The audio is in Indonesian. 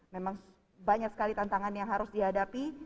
memang banyak sekali tantangan yang harus dihadapi